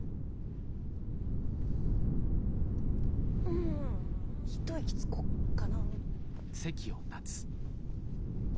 ん一息つこっかな。